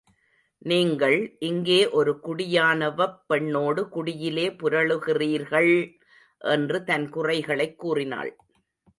நீங்கள், இங்கே ஒரு குடியானவப் பெண்ணோடு குடியிலே புரளுகிறீர்கள்! என்று தன் குறைகளைக் கூறினாள்.